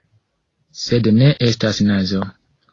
Sed ne estas nazo.